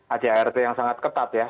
adart yang sangat ketat ya